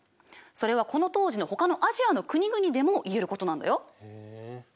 それはこの当時のほかのアジアの国々でも言えることなんだよ。